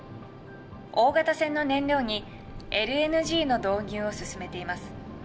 大型船の燃料にＬＮＧの導入を進めています。